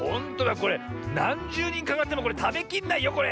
これなんじゅうにんかかってもこれたべきれないよこれ。